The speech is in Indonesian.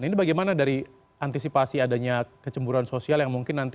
ini bagaimana dari antisipasi adanya kecemburan sosial yang mungkin nanti